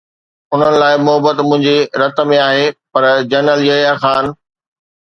انهن لاءِ محبت منهنجي رت ۾ آهي، پر جنرل يحيٰ خان؟